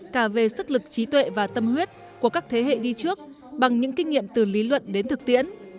cả về sức lực trí tuệ và tâm huyết của các thế hệ đi trước bằng những kinh nghiệm từ lý luận đến thực tiễn